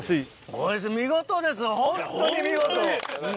おいしい見事ですホントに見事。